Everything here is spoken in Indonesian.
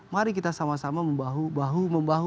mari kita sama sama membahu